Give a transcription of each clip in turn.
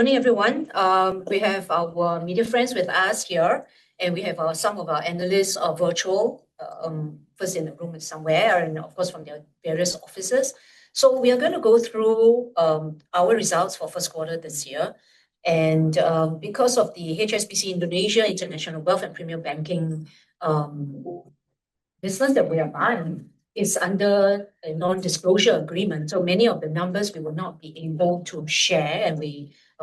Morning, everyone. We have our media friends with us here, and we have some of our analysts are virtual, first in the room somewhere, and of course from their various offices. We are gonna go through our results for first quarter this year. Because of the HSBC Indonesia International Wealth and Premier Banking business that we are buying is under a non-disclosure agreement, so many of the numbers we will not be able to share, and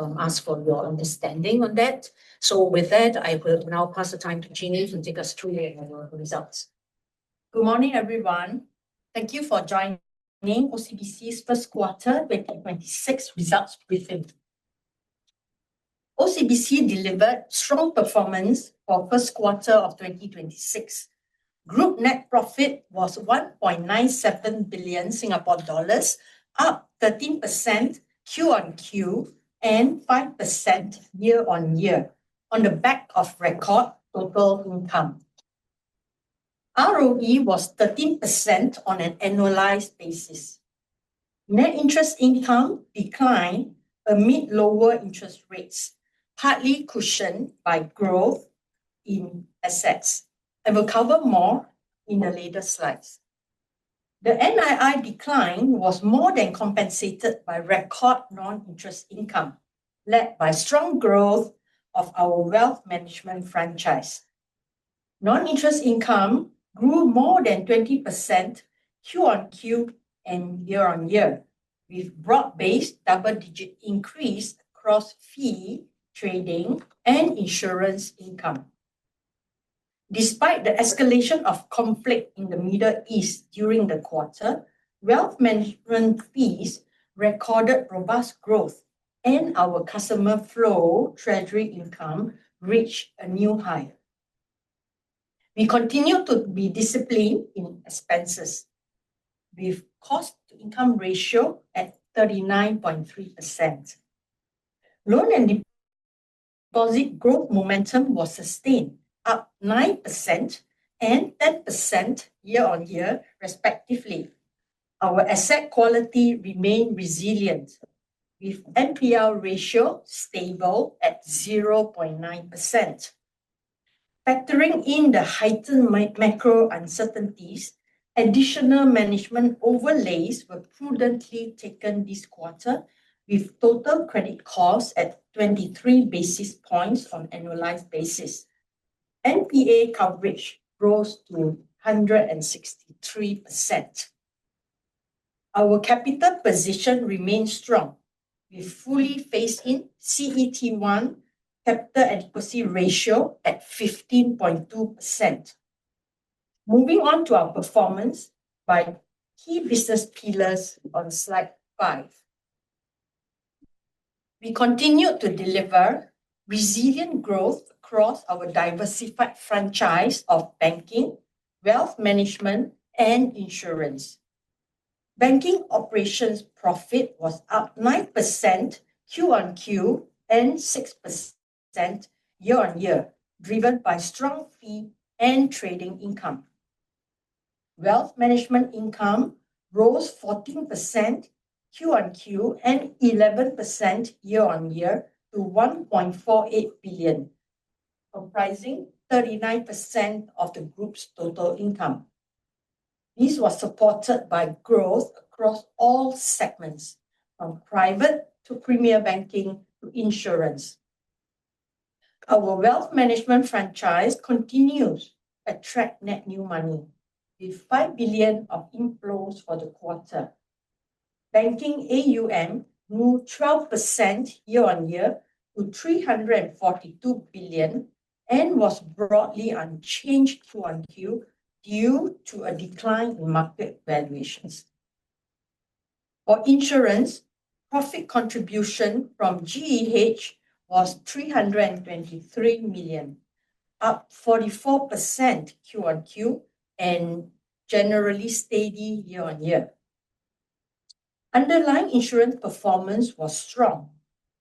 we ask for your understanding on that. With that, I will now pass the time to Chin Yee and take us through the annual results. Good morning, everyone. Thank you for joining me, OCBC's first quarter 2026 results briefing. OCBC delivered strong performance for first quarter of 2026. Group net profit was 1.97 billion Singapore dollars, up 13% Q-on-Q and 5% year on year on the back of record total income. ROE was 13% on an annualized basis. Net interest income declined amid lower interest rates, partly cushioned by growth in assets. I will cover more in the later slides. The NII decline was more than compensated by record non-interest income, led by strong growth of our wealth management franchise. Non-interest income grew more than 20% Q-on-Q and year on year, with broad-based double-digit increase across fee, trading, and insurance income. Despite the escalation of conflict in the Middle East during the quarter, wealth management fees recorded robust growth, and our customer flow treasury income reached a new high. We continue to be disciplined in expenses with cost-to-income ratio at 39.3%. Loan and deposit growth momentum was sustained, up 9% and 10% year on year respectively. Our asset quality remained resilient, with NPL ratio stable at 0.9%. Factoring in the heightened macro uncertainties, additional management overlays were prudently taken this quarter, with total credit costs at 23 basis points on annualized basis. NPA coverage rose to 163%. Our capital position remains strong. We fully phased-in CET1 capital adequacy ratio at 15.2%. Moving on to our performance by key business pillars on slide five. We continue to deliver resilient growth across our diversified franchise of banking, wealth management, and insurance. Banking operations profit was up 9% Q-on-Q and 6% year-on-year, driven by strong fee and trading income. Wealth management income rose 14% Q-on-Q and 11% year-on-year to 1.48 billion, comprising 39% of the Group's total income. This was supported by growth across all segments, from private to Premier Banking to insurance. Our wealth management franchise continues attract net new money, with 5 billion of inflows for the quarter. Banking AUM grew 12% year-on-year to 342 billion and was broadly unchanged Q-on-Q due to a decline in market valuations. For insurance, profit contribution from GEH was 323 million, up 44% Q-on-Q and generally steady year-on-year. Underlying insurance performance was strong,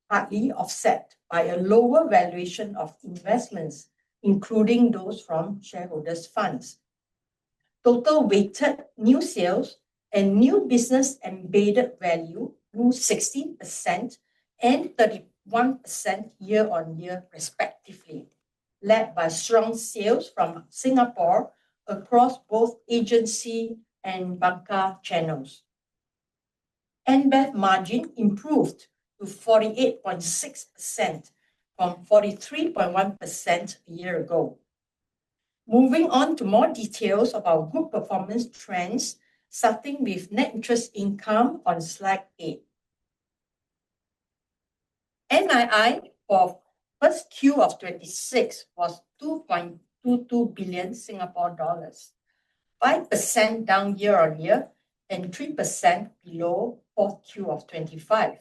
partly offset by a lower valuation of investments, including those from shareholders' funds. Total weighted new sales and new business embedded value grew 16% and 31% year-on-year respectively, led by strong sales from Singapore across both agency and bancassurance channels. NBEV margin improved to 48.6% from 43.1% a year ago. Moving on to more details of our group performance trends, starting with net interest income on slide eight. NII for 1Q of 2026 was 2.22 billion Singapore dollars, 5% down year-on-year and 3% below Q4 of 2025.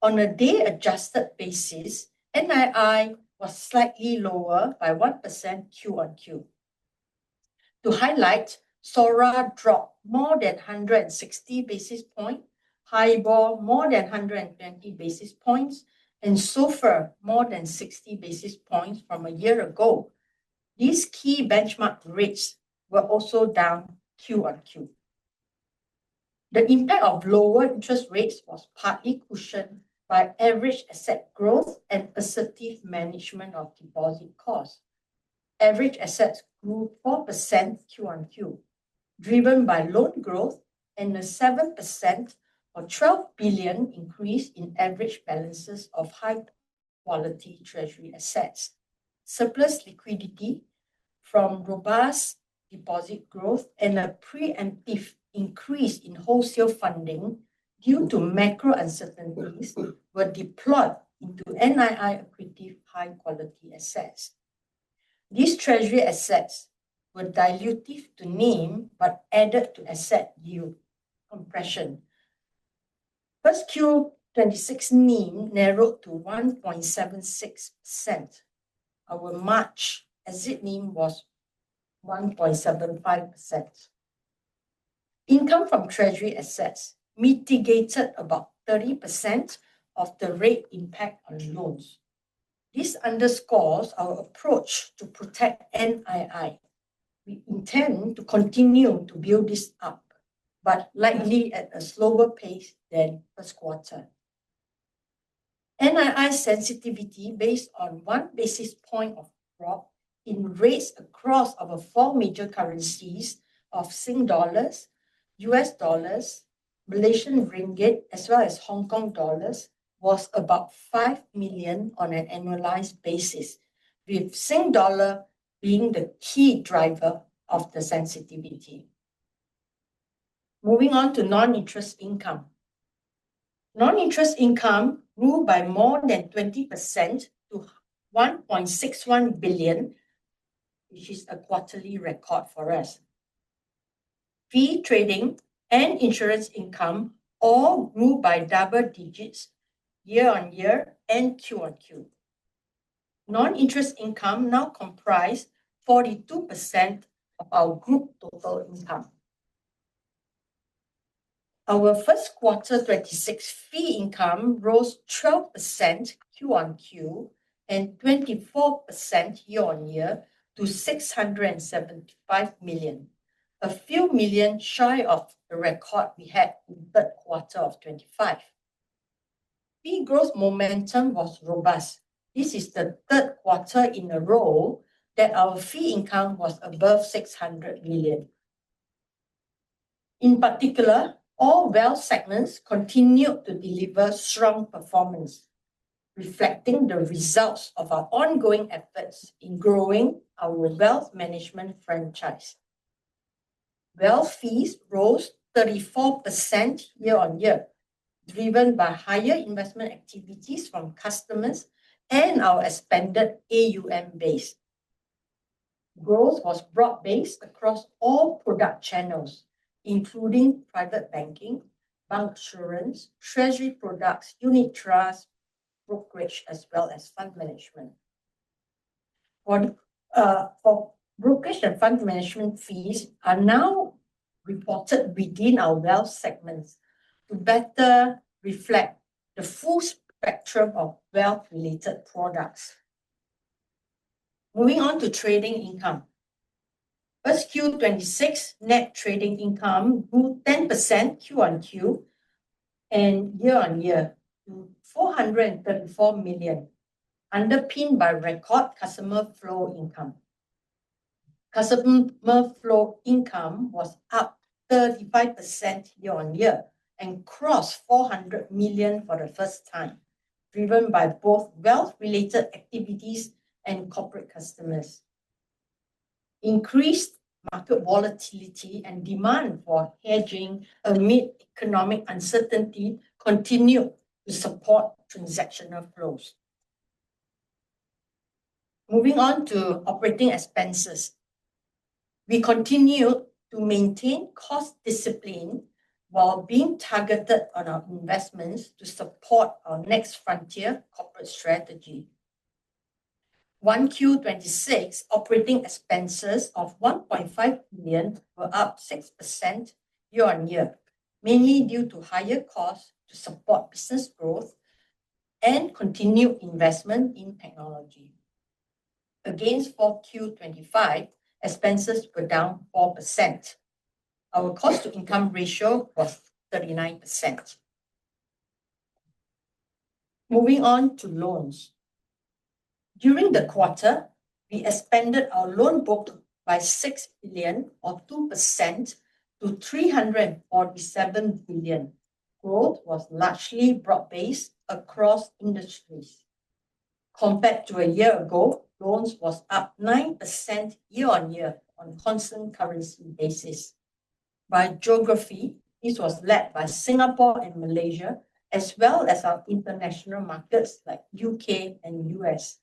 On a day-adjusted basis, NII was slightly lower by 1% Q-on-Q. To highlight, SORA dropped more than 160 basis points, HIBOR more than 120 basis points, and SOFR more than 60 basis points from a year ago. These key benchmark rates were also down Q-on-Q. The impact of lower interest rates was partly cushioned by average asset growth and assertive management of deposit costs. Average assets grew 4% Q-on-Q, driven by loan growth and a 7% or 12 billion increase in average balances of high-quality treasury assets. Surplus liquidity from robust deposit growth and a preemptive increase in wholesale funding due to macro uncertainties were deployed into NII accretive high-quality assets. These treasury assets were dilutive to NIM but added to asset yield compression. 1Q 2026 NIM narrowed to 1.76%. Our March asset NIM was 1.75%. Income from treasury assets mitigated about 30% of the rate impact on loans. This underscores our approach to protect NII. We intend to continue to build this up, but likely at a slower pace than this quarter. NII sensitivity based on one basis point of drop in rates across over four major currencies of Sing dollars, U.S. dollars, Malaysian ringgit, as well as Hong Kong dollars, was about 5 million on an annualized basis, with Sing Dollar being the key driver of the sensitivity. Moving on to non-interest income. Non-interest income grew by more than 20% to 1.61 billion, which is a quarterly record for us. Fee trading and insurance income all grew by double digits year-on-year and Q-on-Q. Non-interest income now comprise 42% of our group total income. Our first quarter 2026 fee income rose 12% Q-on-Q and 24% year-on-year to 675 million. A few million shy of the record we had in the third quarter of 2025. Fee growth momentum was robust. This is the third quarter in a row that our fee income was above 600 million. In particular, all wealth segments continued to deliver strong performance, reflecting the results of our ongoing efforts in growing our wealth management franchise. Wealth fees rose 34% year-on-year, driven by higher investment activities from customers and our expanded AUM base. Growth was broad-based across all product channels, including private banking, bancassurance, treasury products, unit trust, brokerage, as well as fund management. For brokerage and fund management fees are now reported within our wealth segments to better reflect the full spectrum of wealth-related products. Moving on to trading income. 1Q 2026 net trading income grew 10% Q-on-Q and year-on-year to 434 million, underpinned by record customer flow income. Customer flow income was up 35% year-on-year and crossed 400 million for the first time, driven by both wealth-related activities and corporate customers. Increased market volatility and demand for hedging amid economic uncertainty continue to support transactional flows. Moving on to operating expenses. We continue to maintain cost discipline while being targeted on our investments to support our Next Frontier corporate strategy. 1Q 2026 operating expenses of 1.5 million were up 6% year-on-year, mainly due to higher costs to support business growth and continued investment in technology. Against 4Q 2025, expenses were down 4%. Our cost to income ratio was 39%. Moving on to loans. During the quarter, we expanded our loan book by 6 billion or 2% to 347 billion. Growth was largely broad-based across industries. Compared to a year ago, loans was up 9% year-on-year on constant currency basis. By geography, this was led by Singapore and Malaysia, as well as our international markets like U.K. and U.S.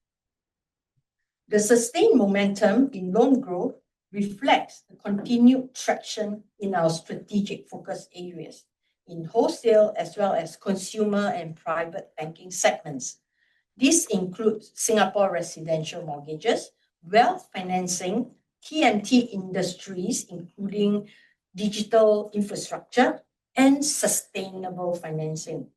The sustained momentum in loan growth reflects the continued traction in our strategic focus areas in wholesale, as well as consumer and private banking segments. This includes Singapore residential mortgages, wealth financing, TMT industries, including digital infrastructure and sustainable financing.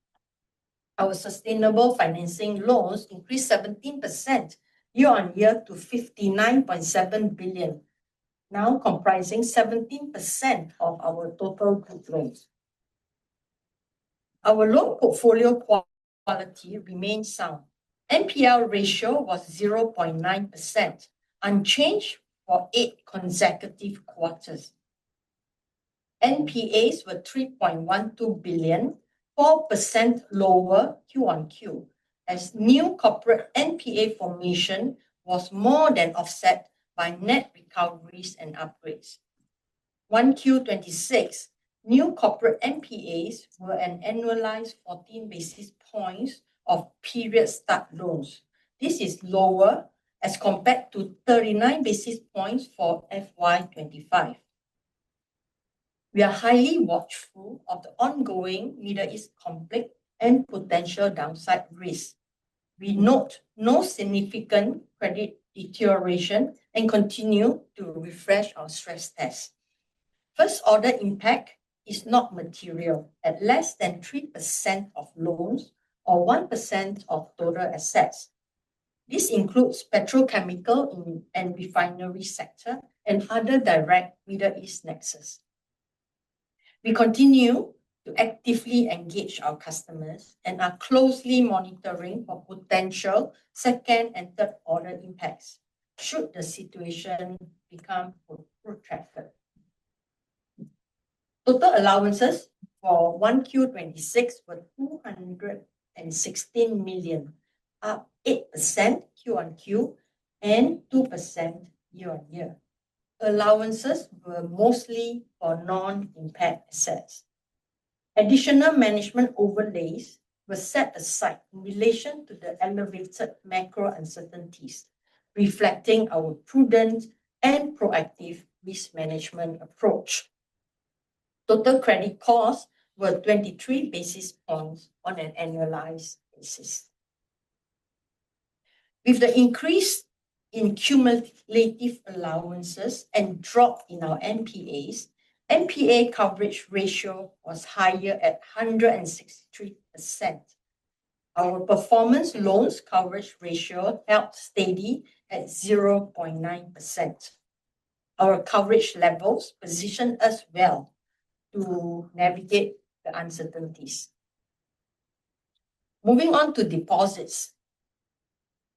Our sustainable financing loans increased 17% year-on-year to 59.7 billion, now comprising 17% of our total group loans. Our loan portfolio quality remains sound. NPL ratio was 0.9%, unchanged for eight consecutive quarters. NPAs were 3.12 billion, 4% lower Q-on-Q, as new corporate NPA formation was more than offset by net recoveries and upgrades. 1Q 2026, new corporate NPAs were an annualized 14 basis points of period stock loans. This is lower as compared to 39 basis points for FY 2025. We are highly watchful of the ongoing Middle East conflict and potential downside risks. We note no significant credit deterioration and continue to refresh our stress test. First-order impact is not material at less than 3% of loans or 1% of total assets. This includes petrochemical and refinery sector, and other direct Middle East nexus. We continue to actively engage our customers and are closely monitoring for potential second and third-order impacts should the situation become protracted. Total allowances for 1Q 2026 were 216 million, up 8% Q-on-Q, and 2% year-on-year. Allowances were mostly for non- assets. Additional management overlays were set aside in relation to the elevated macro uncertainties, reflecting our prudent and proactive risk management approach. Total credit costs were 23 basis points on an annualized basis. With the increase in cumulative allowances and drop in our NPAs, NPA coverage ratio was higher at 163%. Our performance loans coverage ratio held steady at 0.9%. Our coverage levels position us well to navigate the uncertainties. Moving on to deposits.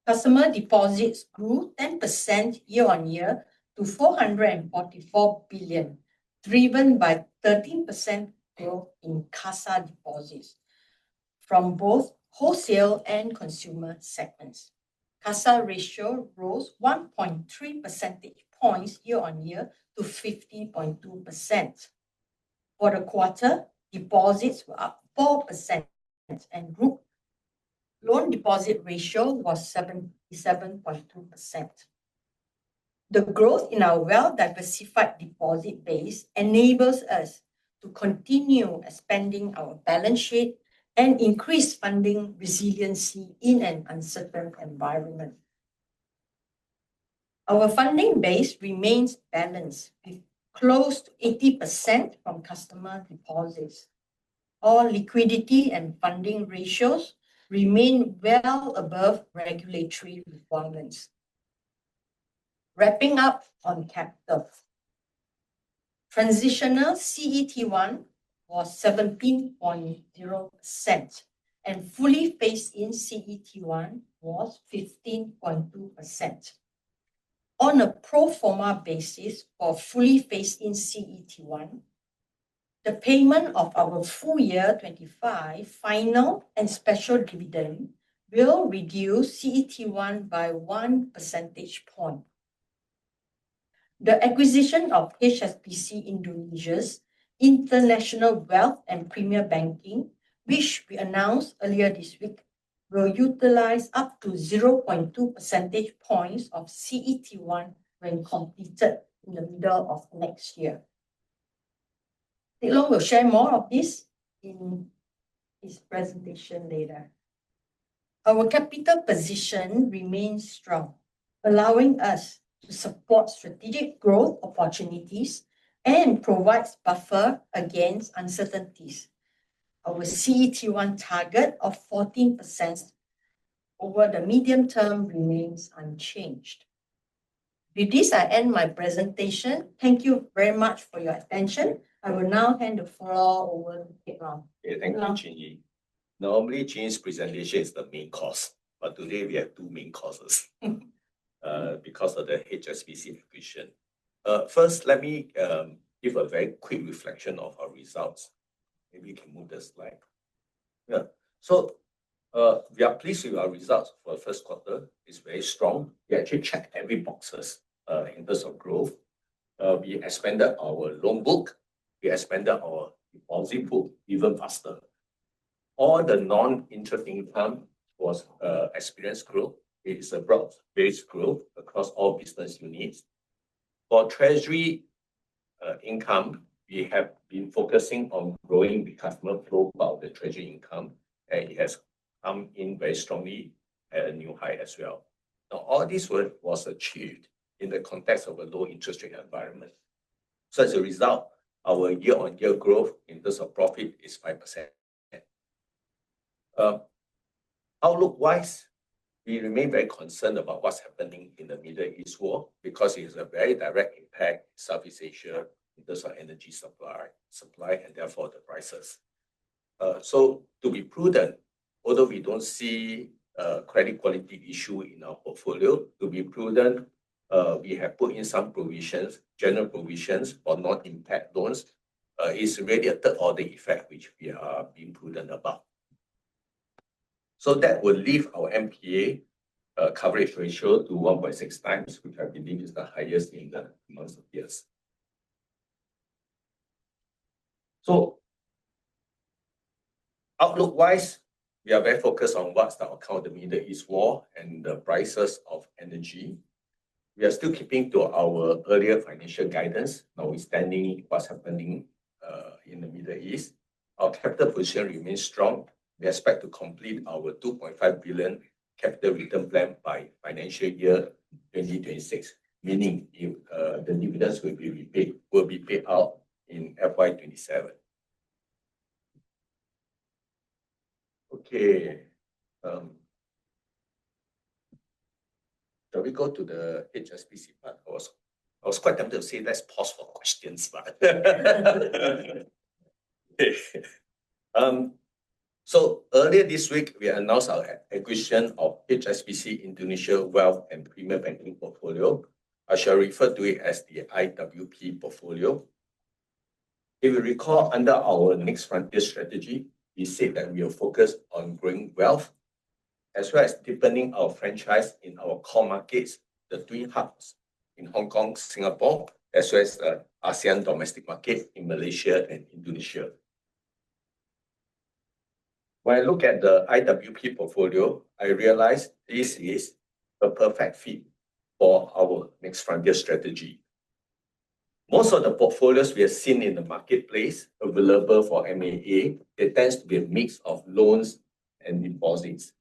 Customer deposits grew 10% year on year to 444 billion, driven by 13% growth in CASA deposits from both wholesale and consumer segments. CASA ratio rose 1.3 percentage points year on year to 50.2%. For the quarter, deposits were up 4%, and group loan deposit ratio was 77.2%. The growth in our well-diversified deposit base enables us to continue expanding our balance sheet and increase funding resiliency in an uncertain environment. Our funding base remains balanced with close to 80% from customer deposits. All liquidity and funding ratios remain well above regulatory requirements. Wrapping up on capital. Transitional CET1 was 17.0%, and fully phased-in CET1 was 15.2%. On a pro forma basis for fully phased-in CET1, the payment of our full year 2025 final and special dividend will reduce CET1 by 1 percentage point. The acquisition of HSBC Indonesia International Wealth and Premier Banking, which we announced earlier this week, will utilize up to 0.2 percentage points of CET1 when completed in the middle of next year. Teck Long will share more of this in his presentation later. Our capital position remains strong, allowing us to support strategic growth opportunities and provides buffer against uncertainties. Our CET1 target of 14% over the medium term remains unchanged. With this, I end my presentation. Thank you very much for your attention. I will now hand the floor over to Teck Long. Teck Long? Yeah, thank you, Chin Yee. Normally, Chin Yee presentation is the main course, today we have two main courses because of the HSBC acquisition. First, let me give a very quick reflection of our results. Maybe you can move the slide. We are pleased with our results for first quarter. It's very strong. We actually check every boxes in terms of growth. We expanded our loan book, we expanded our deposit book even faster. All the non-interest income was experienced growth. It is a broad-based growth across all business units. For treasury income, we have been focusing on growing the customer flow of the treasury income, it has come in very strongly at a new high as well. All this work was achieved in the context of a low interest rate environment. As a result, our year-on-year growth in terms of profit is 5%. Outlook-wise, we remain very concerned about what's happening in the Middle East War because it is a very direct impact Southeast Asia in terms of energy supply and therefore the prices. To be prudent, although we don't see a credit quality issue in our portfolio, to be prudent, we have put in some provisions, general provisions, not impaired loans. It's really a third of the effect which we are being prudent about. That will leave our NPA coverage ratio to 1.6x, which I believe is the highest in the months of years. Outlook-wise, we are very focused on what's the outcome of the Middle East war and the prices of energy. We are still keeping to our earlier financial guidance notwithstanding what's happening in the Middle East. Our capital position remains strong. We expect to complete our 2.5 billion capital return plan by financial year 2026, meaning if the dividends will be paid out in FY 2027. Okay. Shall we go to the HSBC part also? I was quite tempted to say let's pause for questions. Earlier this week we announced our acquisition of HSBC Indonesia Wealth and Premier Banking portfolio. I shall refer to it as the IWP portfolio. If you recall, under our Next Frontier strategy, we said that we are focused on growing wealth as well as deepening our franchise in our core markets, the three hubs in Hong Kong, Singapore, as well as ASEAN domestic market in Malaysia and Indonesia. When I look at the IWP portfolio, I realize this is a perfect fit for our Next Frontier strategy. Most of the portfolios we have seen in the marketplace available for M&A, they tends to be a mix of loans and deposits.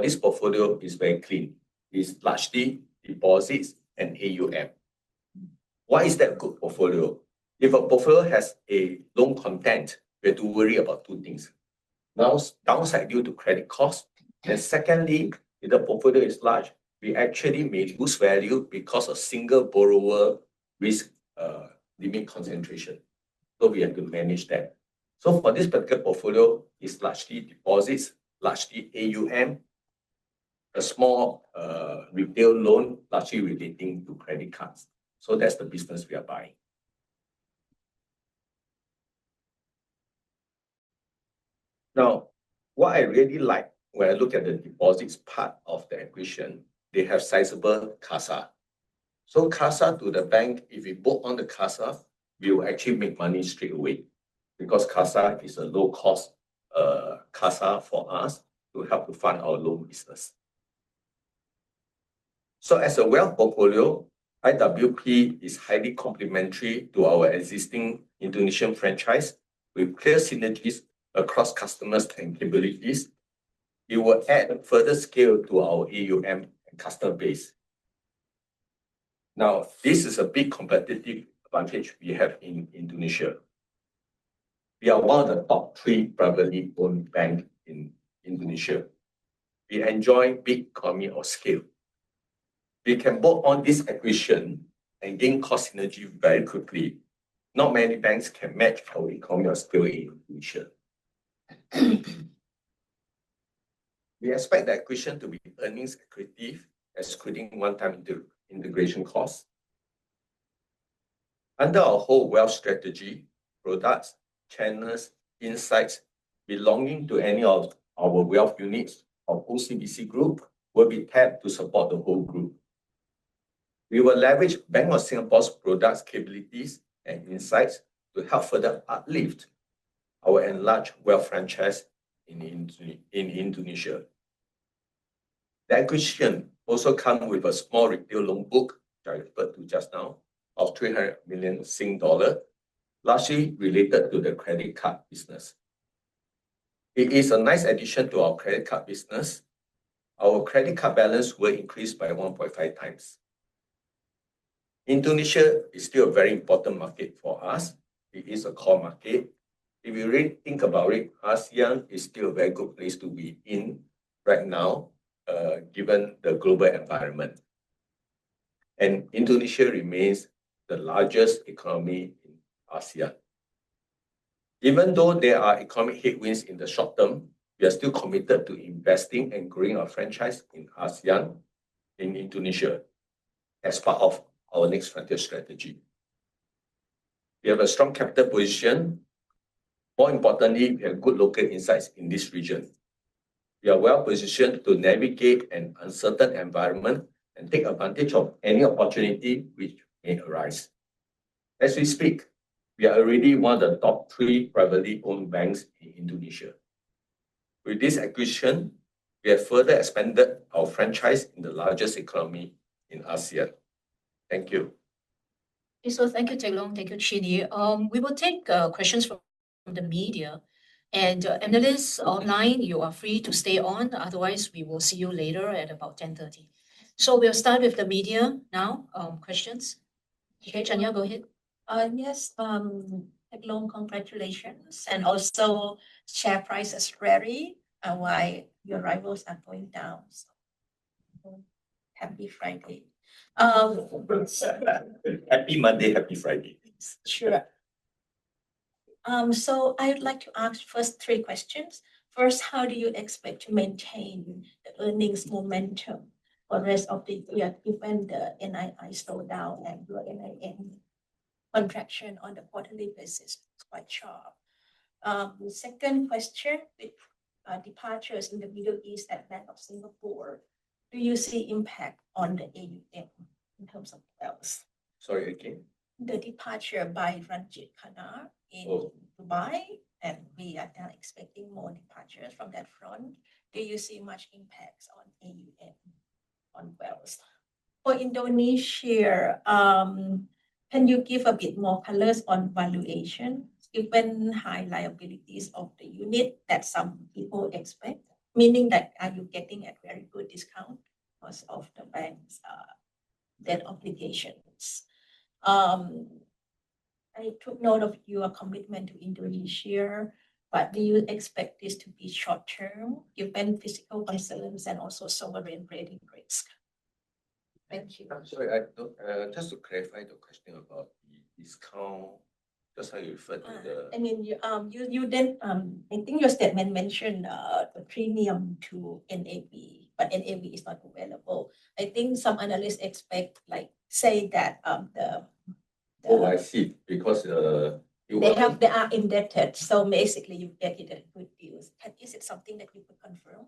This portfolio is very clean. It's largely deposits and AUM. Why is that a good portfolio? If a portfolio has a loan content, we have to worry about two things. Now, downside due to credit cost, and secondly, if the portfolio is large, we actually may lose value because of single borrower risk, limit concentration. We have to manage that. For this particular portfolio, it's largely deposits, largely AUM, a small retail loan largely relating to credit cards. That's the business we are buying. Now, what I really like when I look at the deposits part of the acquisition, they have sizable CASA. CASA to the bank, if we book on the CASA, we will actually make money straight away because CASA is a low cost CASA for us to help to fund our loan business. As a wealth portfolio, IWP is highly complementary to our existing Indonesian franchise with clear synergies across customers' capabilities. It will add further scale to our AUM and customer base. Now, this is a big competitive advantage we have in Indonesia. We are one of the top three privately owned bank in Indonesia. We enjoy big economy of scale. We can book on this acquisition and gain cost synergy very quickly. Not many banks can match our economy of scale in Indonesia. We expect the acquisition to be earnings accretive excluding one-time integration costs. Under our whole wealth strategy, products, channels, insights belonging to any of our wealth units of OCBC Group will be tapped to support the whole group. We will leverage Bank of Singapore's products, capabilities, and insights to help further uplift our enlarged wealth franchise in Indonesia. The acquisition also come with a small retail loan book that I referred to just now of 300 million Sing dollar, largely related to the credit card business. It is a nice addition to our credit card business. Our credit card balance will increase by 1.5x. Indonesia is still a very important market for us. It is a core market. If you rethink about it, ASEAN is still a very good place to be in right now, given the global environment. Indonesia remains the largest economy in ASEAN. Even though there are economic headwinds in the short term, we are still committed to investing and growing our franchise in ASEAN, in Indonesia, as part of our Next Frontier strategy. We have a strong capital position. More importantly, we have good local insights in this region. We are well-positioned to navigate an uncertain environment and take advantage of any opportunity which may arise. As we speak, we are already one of the top three privately owned banks in Indonesia. With this acquisition, we have further expanded our franchise in the largest economy in ASEAN. Thank you. Thank you, Teck Long. Thank you, Chin Yee. We will take questions. The media. Analysts online, you are free to stay on, otherwise we will see you later at about 10:30. We'll start with the media now. Questions? Okay, Chanya, go ahead. Yes, Teck Long, congratulations, and also share price is rallying, and why your rivals are going down, so happy Friday. Happy Monday, happy Friday. Sure. I would like to ask first three questions. First, how do you expect to maintain the earnings momentum for rest of the year given the NII slowed down and your NII contraction on the quarterly basis, it's quite sharp. Second question, with departures in the Middle East at Bank of Singapore, do you see impact on the AUM in terms of wealth? Sorry, again. The departure by Ranjit Khanna in Dubai, we are now expecting more departures from that front. Do you see much impacts on AUM on wealth? For Indonesia, can you give a bit more colors on valuation given high liabilities of the unit that some people expect? Meaning that, are you getting a very good discount because of the bank's debt obligations? I took note of your commitment to Indonesia. Do you expect this to be short term given physical by settlements and also sovereign rating risk? Thank you. I'm sorry, just to clarify the question about the discount, that's how you referred to. I mean, you did, I think your statement mentioned a premium to NAV, but NAV is not available. I think some analysts expect, like, say that. Oh, I see. They have they are indebted. Basically you get it at good deals. Is it something that you could confirm?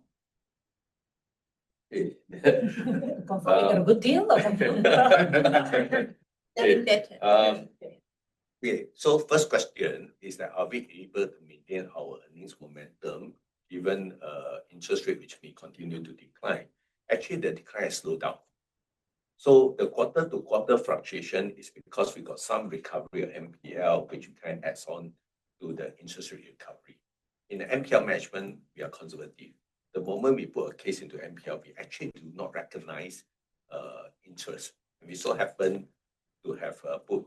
Confirm you got a good deal or confirm that you get it? Yeah. First question is that, are we able to maintain our earnings momentum given interest rate which may continue to decline? Actually, the decline has slowed down. The quarter-to-quarter fluctuation is because we got some recovery on NPL, which kind of adds on to the interest rate recovery. In the NPL management, we are conservative. The moment we put a case into NPL, we actually do not recognize interest. We so happen to have put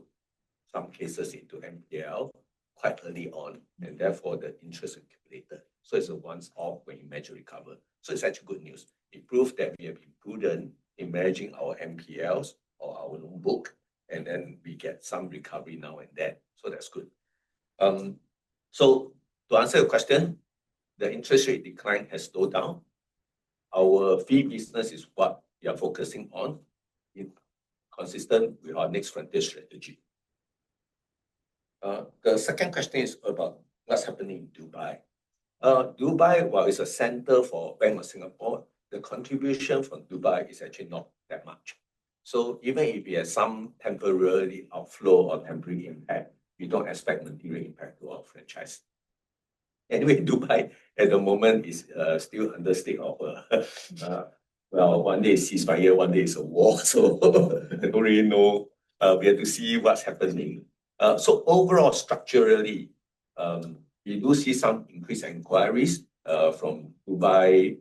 some cases into NPL quite early on, and therefore the interest accumulated. It's a once off when you measure recovery. It's actually good news. It proves that we have been prudent in managing our NPLs or our loan book, and then we get some recovery now and then. That's good. To answer your question, the interest rate decline has slowed down. Our fee business is what we are focusing on in consistent with our Next Frontier strategy. The second question is about what's happening in Dubai. Dubai, while it's a center for Bank of Singapore, the contribution from Dubai is actually not that much. Even if we have some temporary outflow or temporary impact, we don't expect material impact to our franchise. Anyway, Dubai at the moment is still under state of Well, one day it's ceasefire, one day it's a war, I don't really know. We have to see what's happening. Overall structurally, we do see some increased inquiries from Dubai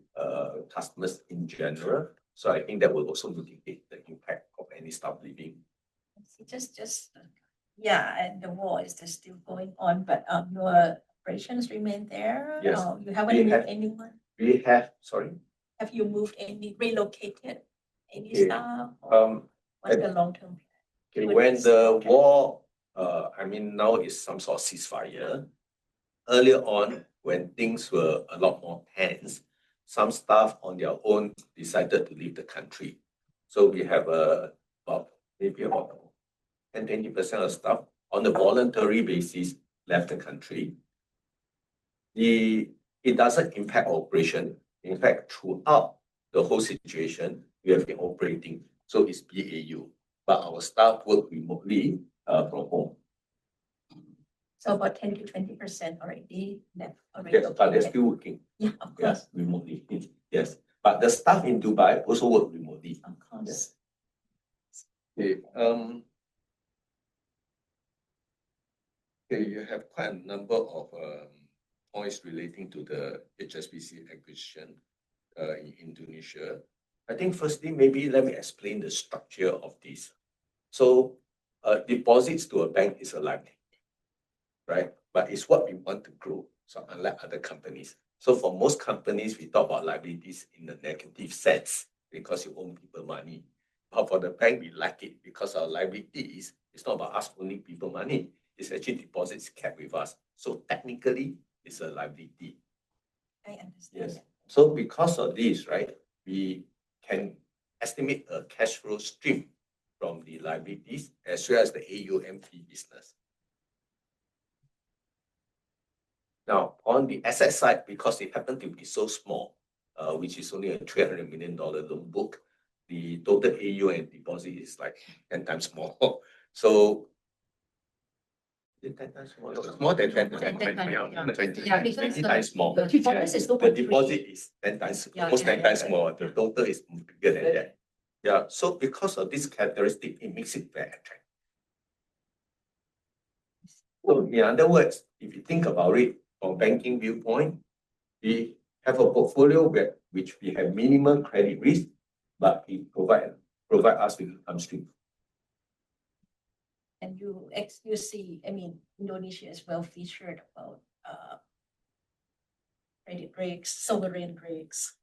customers in general. I think that will also mitigate the impact of any staff leaving. Let's see. Just Yeah, and the war is just still going on, but your operations remain there? Yes. You haven't moved anyone? We have Sorry? Have you relocated any staff? Yeah. What is the long-term plan? When the war, I mean now it's some sort of ceasefire. Earlier on when things were a lot more tense, some staff on their own decided to leave the country. We have about maybe about 10%-20% of staff on a voluntary basis left the country. It doesn't impact operation. In fact, throughout the whole situation, we have been operating, so it's BAU, but our staff work remotely from home. About 10%-20% already left America. Yes, but they're still working. Yeah, okay. Yes, remotely. Yes. The staff in Dubai also work remotely. Yes. Okay, you have quite a number of points relating to the HSBC acquisition in Indonesia. I think firstly, maybe let me explain the structure of this. Deposits to a bank is a liability, right? It's what we want to grow, so unlike other companies. For most companies, we talk about liabilities in a negative sense because you owe people money. For the bank, we like it because our liability is, it's not about us owing people money, it's actually deposits kept with us. Technically, it's a liability. I understand. Yes. Because of this, right, we can estimate a cash flow stream from the liabilities as well as the AUM fee business. Now, on the asset side, because it happened to be so small, which is only a 300 million dollar loan book, the total AUM deposit is like 10x more. Is it 10x more? It's more than 10x. 10x, yeah. Yeah. 20x more. The SGD 200 is local currency. The deposit is 10x. Yeah, yeah. Almost 10x more. The total is even bigger than that. Because of this characteristic, it makes it very attractive. In other words, if you think about it from banking viewpoint, we have a portfolio where which we have minimum credit risk, but it provide us with return stream. You see, I mean, Indonesia is well featured about credit risks, sovereign risks.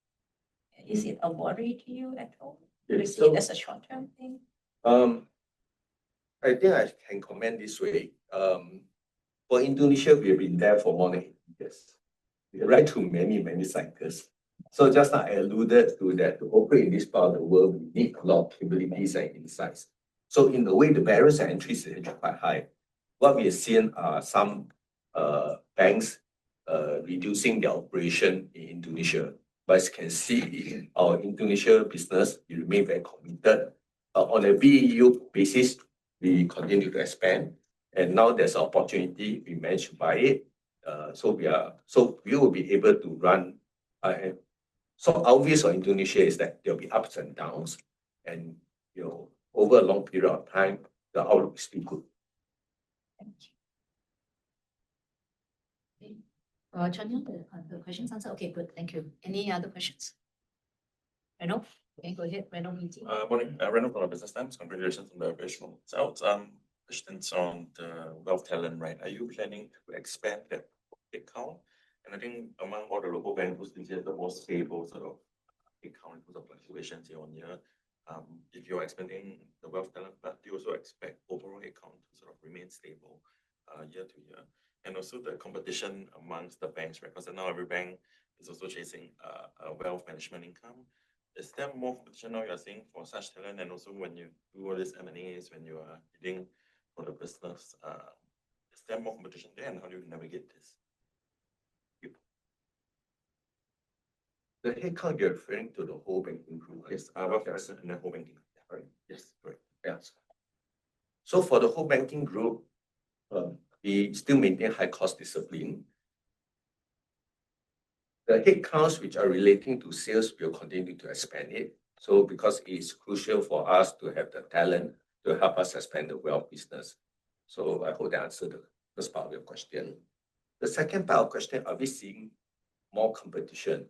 Is it a worry to you at all? Is it as a short-term thing? I think I can comment this way. For Indonesia, we've been there for more than 10 years. We ride through many cycles. Just like I alluded to that to operate in this part of the world, we need a lot of capabilities and insights. In a way, the barriers to entry is quite high. What we are seeing are some banks reducing their operation in Indonesia. As you can see, our Indonesia business remain very committed. On a BEU basis, we continue to expand, and now there's opportunity, we manage by it. We will be able to run ahead. Obvious for Indonesia is that there'll be ups and downs and, you know, over a long period of time, the outlook is still good. Thank you. Okay. Chanya, the question's answered? Okay, good. Thank you. Any other questions? Reno? Okay, go ahead. Reno BT. Morning, Reno from The Business Times. Congratulations on the original results. Questions on the wealth talent, right? Are you planning to expand that headcount? I think among all the local bankers, this is the most stable sort of headcount with the fluctuations year-on-year. If you're expanding the wealth talent, do you also expect overall headcount to sort of remain stable year-to-year? Also the competition amongst the banks, right? Because I know every bank is also chasing wealth management income. Is there more competition now you are seeing for such talent? Also when you do all these M&As, when you are bidding for the business, is there more competition there, and how do you navigate this? Yep. The headcount you're referring to the whole banking group? Yes, our wealth asset and the whole banking. All right. Yes. Great. Yeah. For the whole banking group, we still maintain high cost discipline. The headcounts which are relating to sales, we'll continue to expand it because it is crucial for us to have the talent to help us expand the wealth business. I hope that answered the first part of your question. The second part of question, are we seeing more competition?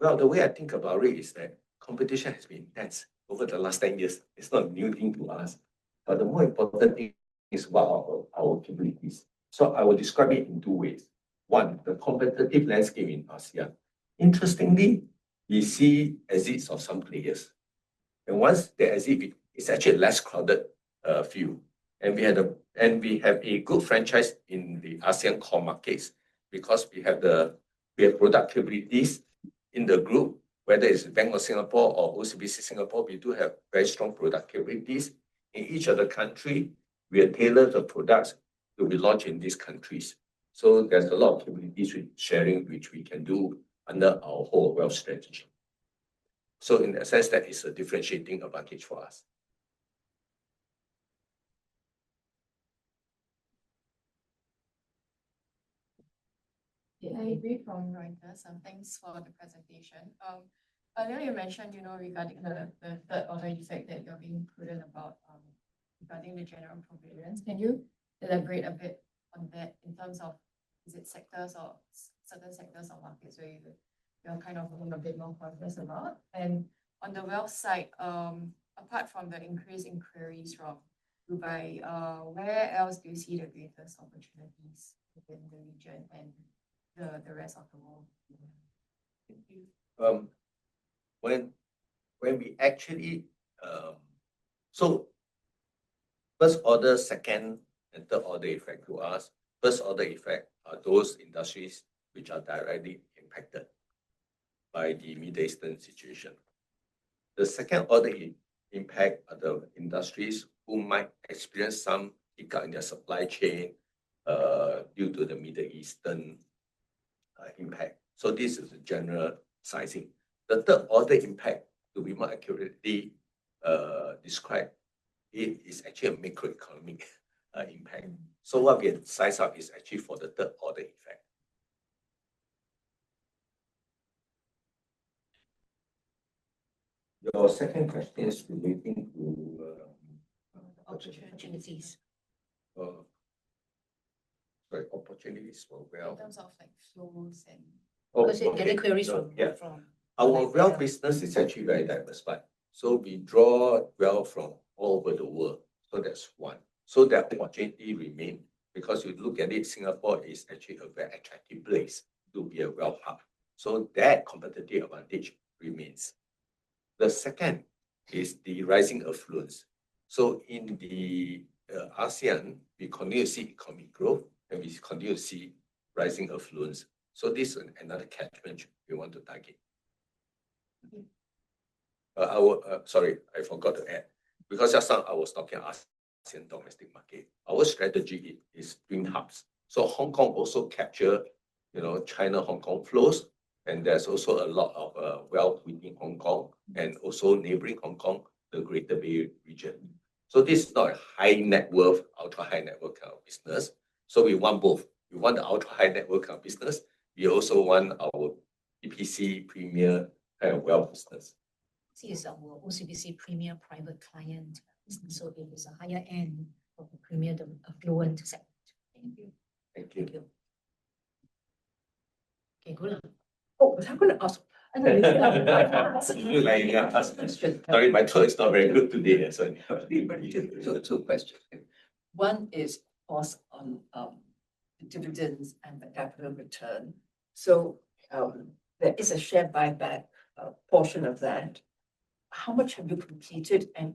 Well, the way I think about it is that competition has been tense over the last 10 years. It's not a new thing to us. The more important thing is what are our capabilities. I will describe it in two ways. One, the competitive landscape in Asia. Interestingly, we see exits of some players. Once they exit, it's actually a less crowded field. We have a good franchise in the ASEAN core markets because we have product capabilities in the group, whether it's Bank of Singapore or OCBC Singapore, we do have very strong product capabilities. In each of the country, we tailor the products that we launch in these countries. There's a lot of capabilities with sharing which we can do under our whole wealth strategy. In that sense, that is a differentiating advantage for us. I agree from Reno, thanks for the presentation. Earlier you mentioned, you know, regarding the third order effect that you're being prudent about, regarding the general prudence. Can you elaborate a bit on that in terms of is it sectors or certain sectors or markets where you're kind of a little bit more cautious about? On the wealth side, apart from the increase in queries from Dubai, where else do you see the greatest opportunities within the region and the rest of the world? Thank you. When we actually, first order, second, and third order effect to us. First order effect are those industries which are directly impacted by the Middle Eastern situation. The second order impact are the industries who might experience some hiccup in their supply chain due to the Middle Eastern impact. This is a general sizing. The third order impact to be more accurately described, it is actually a macroeconomic impact. What we had sized up is actually for the third order effect. Your second question is relating to. Opportunities. Sorry, opportunities for wealth. In terms of like flows. Oh, okay. Because you get the queries from. Our wealth business is actually very diverse. We draw wealth from all over the world, so that's one. That opportunity remain because if you look at it, Singapore is actually a very attractive place to be a wealth hub. That competitive advantage remains. The second is the rising affluence. In the ASEAN, we continue to see economic growth, and we continue to see rising affluence. This is another catchment we want to target. Sorry, I forgot to add, because just now I was talking ASEAN domestic market. Our strategy is being hubs. Hong Kong also capture, you know, China-Hong Kong flows, and there's also a lot of wealth within Hong Kong and also neighboring Hong Kong, the Greater Bay region. This is not a high net worth, ultra high net worth kind of business. We want both. We want the ultra high net worth kind of business, we also want our OCBC Premier kind of wealth business. It's our OCBC Premier Private Client business, so it is a higher end of the premier of affluent segment. Thank you. Thank you. Thank you. Okay, Goola. Oh, was I gonna ask? Sorry, my throat is not very good today, so I have to be very gentle. Two questions. One is of course on dividends and the capital return. There is a share buyback portion of that. How much have you completed, and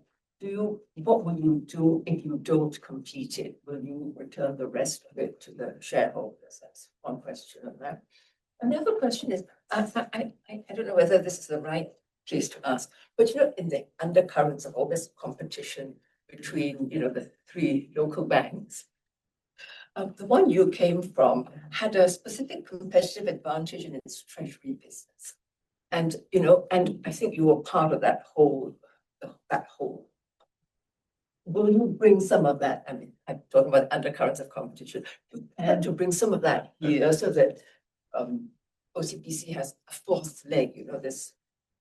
what will you do if you don't complete it? Will you return the rest of it to the shareholders? That's one question on that. Another question is, I, I don't know whether this is the right place to ask, but, you know, in the undercurrents of all this competition between, you know, the three local banks, the one you came from had a specific competitive advantage in its treasury business. You know, and I think you were part of that whole. Will you bring some of that, I mean, I'm talking about undercurrents of competition, to bring some of that here so that, OCBC has a fourth leg, you know.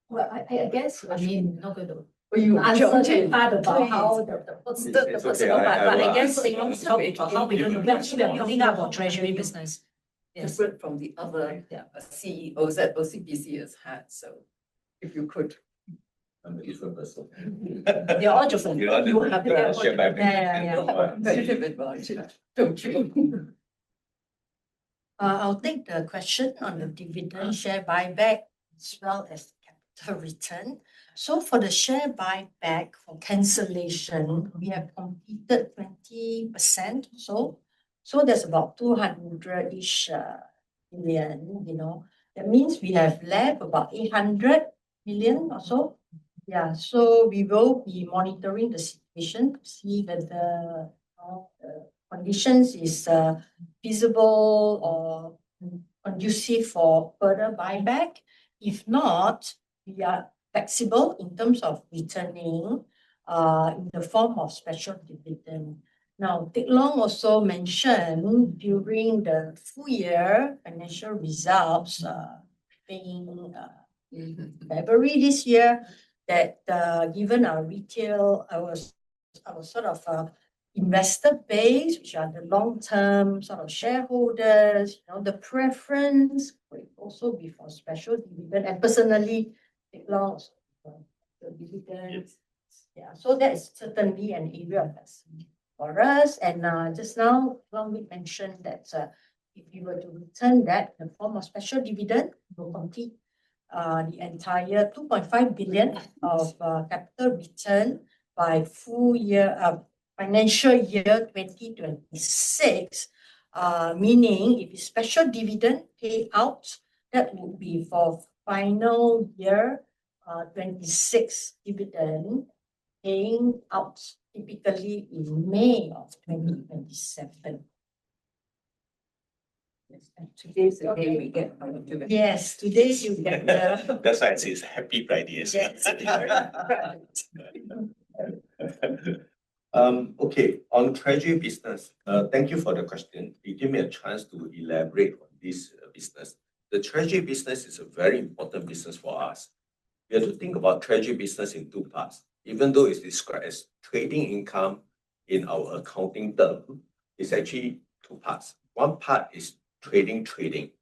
Well, I guess, I mean. Will you answer to how the post. It's okay. I guess Teck Long itself it will help because eventually they're building up a treasury business. Yes. Different from the other CEOs that OCBC has had, so if you could. I'm a different person. You're all different. You have your own. Share buyback. Yeah, yeah. Competitive advantage, don't you? I'll take the question on the dividend share buyback as well as capital return. For the share buyback, for cancellation, we have completed 20% or so. That's about 200 million-ish, you know. That means we have left about 800 million or so. Yeah. We will be monitoring the situation to see whether the conditions is feasible or conducive for further buyback. If not, we are flexible in terms of returning in the form of special dividend. Now, Teck Long also mentioned during the full year financial results, being in February this year, that given our retail, our sort of investor base, which are the long-term sort of shareholders, you know, the preference could also be for special dividend. Personally, Teck Long's dividends. That is certainly an area that's for us. Just now Long mentioned that if we were to return that in the form of special dividend, we will complete the entire 2.5 billion of capital return by full year, financial year 2026. Meaning if a special dividend pay out, that will be for final year 2026 dividend paying out typically in May of 2027. Yes, today's the day we get our dividend. Yes. Today you get. That's why it says happy Friday as well sitting here. Yes. Okay. On treasury business, thank you for the question. It give me a chance to elaborate on this business. The treasury business is a very important business for us. We have to think about treasury business in two parts. Even though it's described as trading income in our accounting term, it's actually two parts. One part is trading,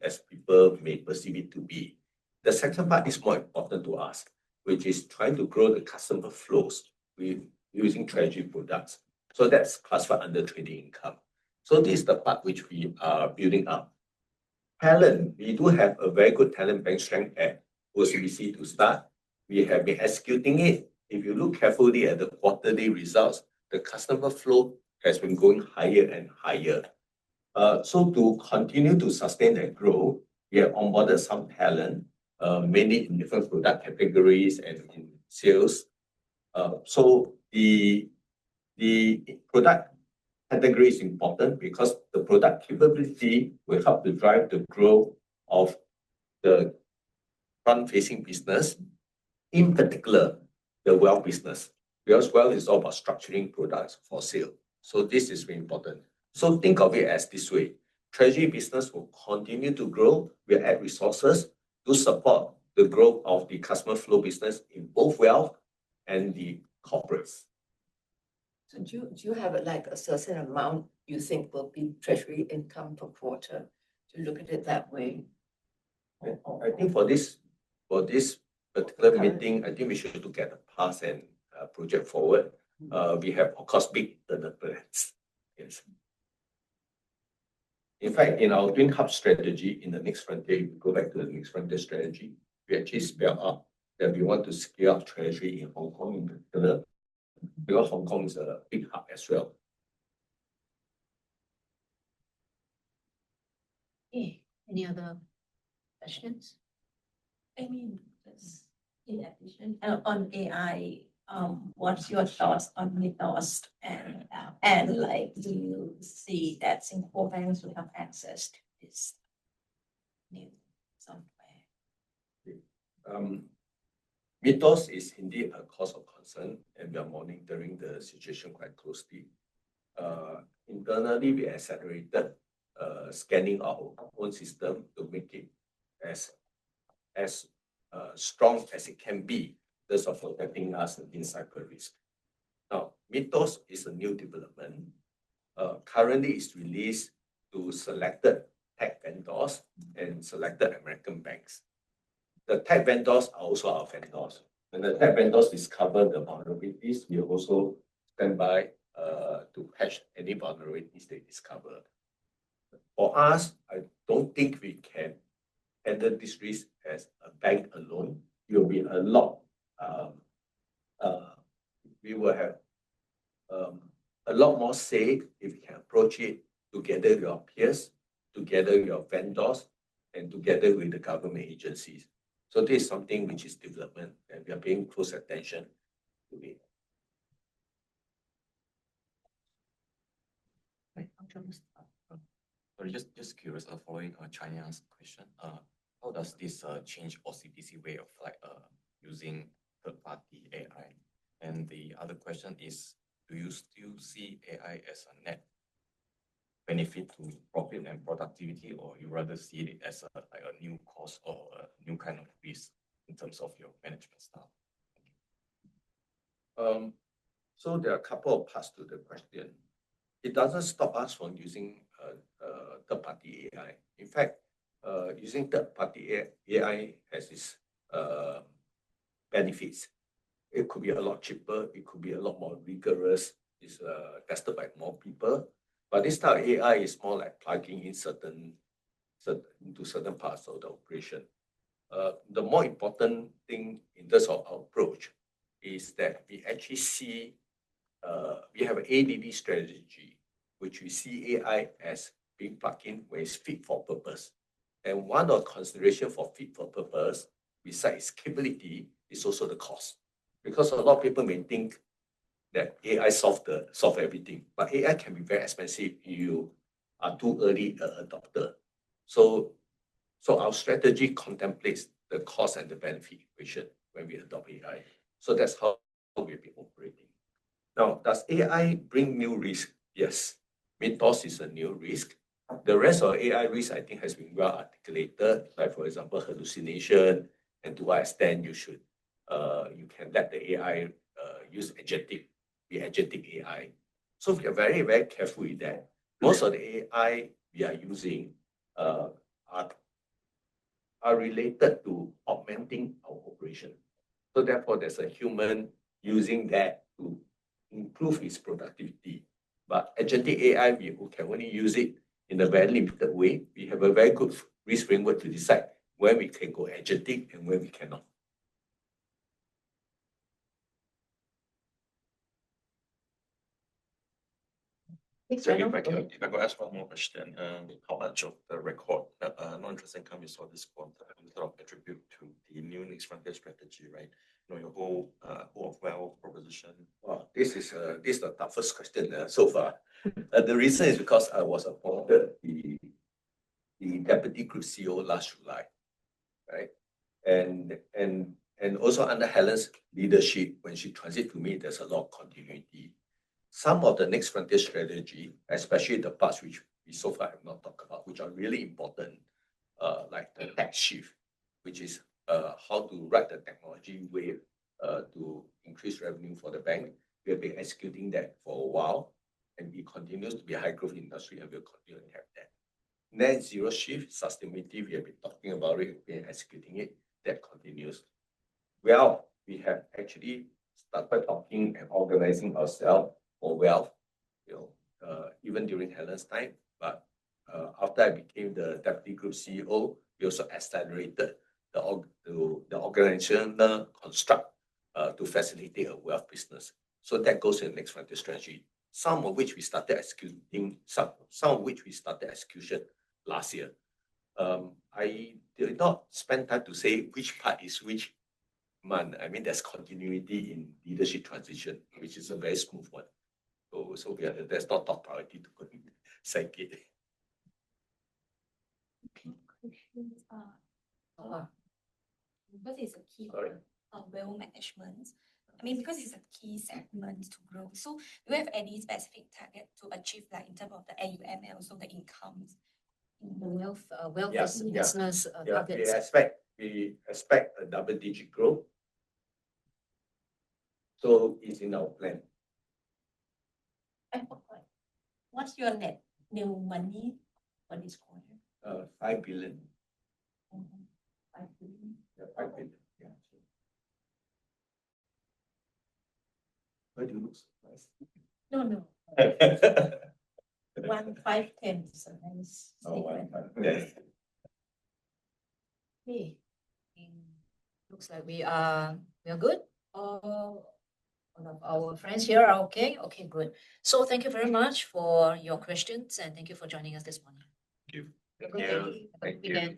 as people may perceive it to be. The second part is more important to us, which is trying to grow the customer flows with using treasury products. That's classified under trading income. This is the part which we are building up. Talent, we do have a very good talent bench strength at OCBC to start. We have been executing it. If you look carefully at the quarterly results, the customer flow has been going higher and higher. To continue to sustain that growth, we have onboarded some talent, mainly in different product categories and in sales. The product category is important because the product capability will help to drive the growth of the front-facing business, in particular the wealth business. Wealth is all about structuring products for sale. This is very important. Think of it as this way. Treasury business will continue to grow. We add resources to support the growth of the customer flow business in both wealth and the corporates. Do you have, like, a certain amount you think will be treasury income per quarter? Do you look at it that way? I think for this particular meeting, I think we should look at the past and project forward. We have, of course, beat the numbers. Yes. In fact, in our twin hub strategy in the Next Frontier, if we go back to the Next Frontier strategy, we actually spell out that we want to scale up treasury in Hong Kong in particular, because Hong Kong is a big hub as well. Any other questions? I mean, just in addition, on AI, what's your thoughts on Mythos? Like, do you see that Singapore banks will have access to this? Okay. Mythos is indeed a cause of concern, and we are monitoring the situation quite closely. Internally, we accelerated scanning our own system to make it as strong as it can be. This of protecting us against cyber risk. Now, Mythos is a new development. Currently it's released to selected tech vendors and selected American banks. The tech vendors are also our vendors, when the tech vendors discover the vulnerabilities, we also stand by to patch any vulnerability they discover. For us, I don't think we can handle this risk as a bank alone. We will have a lot more say if we can approach it together with our peers, together with our vendors, and together with the government agencies. This is something which is development, and we are paying close attention to be. Right. I'll turn this off. Just curious following on Chanya's question. How does this change OCBC way of like using third party AI? The other question is, do you still see AI as a net benefit to profit and productivity or you rather see it as a, like, a new cost or a new kind of risk in terms of your management style? There are a couple of parts to the question. It doesn't stop us from using third party AI. In fact, using third party AI has its benefits. It could be a lot cheaper, it could be a lot more rigorous, it's tested by more people. This type of AI is more like plugging in certain parts of the operation. The more important thing in terms of our approach is that we actually see we have an AIDA strategy, which we see AI as being plugin where it's fit for purpose. One of consideration for fit for purpose, besides capability, is also the cost. A lot of people may think that AI solve everything, but AI can be very expensive if you are too early an adopter. Our strategy contemplates the cost and the benefit we should when we adopt AI. That's how we've been operating. Now, does AI bring new risk? Yes. Mythos is a new risk. The rest of AI risk I think has been well articulated, like for example, hallucination, and to what extent you should, you can let the AI be agentic AI. We are very, very careful with that. Most of the AI we are using are related to augmenting our operation. Therefore there's a human using that to improve his productivity. Agentic AI, we can only use it in a very limited way. We have a very good risk framework to decide where we can go agentic and where we cannot. Next one. If I could ask one more question, with how much of the record, non-interest income you saw this quarter in terms of attribute to the new Next Frontier strategy, right, you know, your whole wealth proposition? Well, this is the toughest question so far. The reason is because I was appointed the Deputy Group CEO last July, right? Also under Helen's leadership, when she transit to me, there's a lot of continuity. Some of the Next Frontier strategy, especially the parts which we so far have not talked about, which are really important, like the tech shift, which is how to ride the technology wave to increase revenue for the bank. We have been executing that for a while, and we continue to be a high-growth industry, and we'll continue to have that. Net zero shift sustainability, we have been talking about it, we've been executing it. That continues. Well, we have actually started talking and organizing ourself for wealth, you know, even during Helen's time. After I became the Deputy Group CEO, we also accelerated the organizational construct to facilitate a wealth business. That goes to the Next Frontier strategy. Some of which we started executing, some of which we started execution last year. I did not spend time to say which part is which, man. I mean, there's continuity in leadership transition, which is a very smooth one. That's not top priority to segue. Okay. Questions are, Because it's a key. Sorry. Wealth management. I mean, because it's a key segment to growth. Do you have any specific target to achieve that in terms of the AUM and also the incomes in the wealth business targets? Yeah. We expect a double-digit growth. It's in our plan. One more. What's your net new money for this quarter? 5 billion. 5 billion? Yeah, 5 billion. Yeah, sure. Why do you look surprised? No, no. Okay. Looks like we are good. All of our friends here are okay. Okay, good. Thank you very much for your questions, and thank you for joining us this morning. Thank you. Thank you. Have a good day.